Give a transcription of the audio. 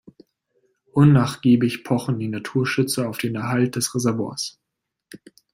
Unnachgiebig pochen die Naturschützer auf den Erhalt des Reservoirs.